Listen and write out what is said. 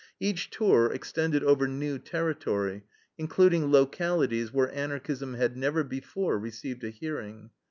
Each tour extended over new territory, including localities where Anarchism had never before received a hearing.